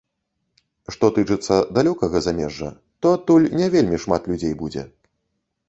Што тычыцца далёкага замежжа, то адтуль не вельмі шмат людзей будзе.